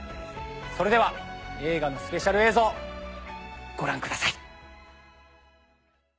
それでは映画のスペシャル映像ご覧ください。